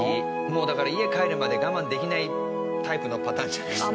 もうだから家帰るまで我慢できないタイプのパターンじゃないですか？